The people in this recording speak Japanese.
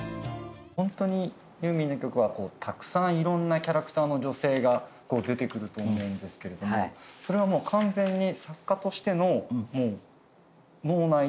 本当にユーミンの曲はたくさんいろんなキャラクターの女性が出てくると思うんですけれどもそれはもう完全に。